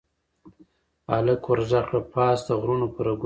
هلک ور ږغ کړل، پاس د غرونو په رګونو کې